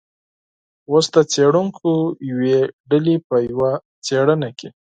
اوس د څیړونکو یوې ډلې په یوه څیړنه کې